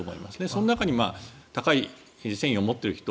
その中に高い戦意を持っている人